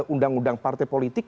undang undang partai politik